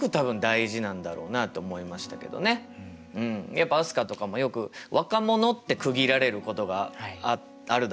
やっぱ飛鳥とかもよく若者って区切られることがあるだろうと思うんです。